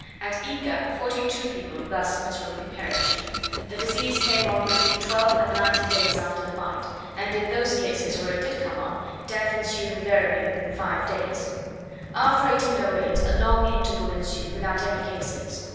At Ica forty two people thus miserably perished. The disease came on between twelve and ninety days after the bite; and in those cases where it did come on, death ensued invariably within five days. After 1808, a long interval ensued without any cases.